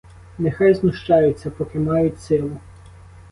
Нехай знущаються, поки мають силу.